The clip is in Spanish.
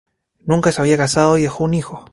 Nunca se había casado y dejó un hijo.